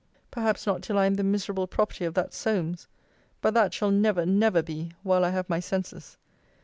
Perhaps not till I am the miserable property of that Solmes! But that shall never, never be, while I have my senses.